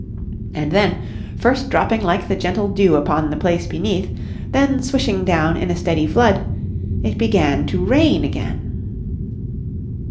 And then, first dropping like the gentle dew upon the place beneath, then swishing down in a steady flood, it began to rain again.